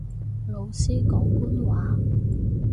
老師講官話